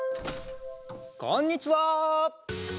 こんにちは！